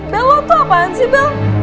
bel lo itu apaan sih bel